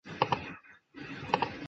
属绥越郡。